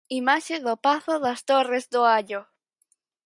Imaxe do pazo das Torres do Allo.